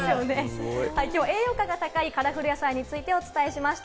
きょうは栄養価が高いカラフル野菜についてお伝えしました。